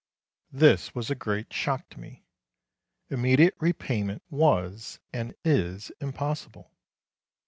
This was a great shock to me. Immediate repayment was and is impossible.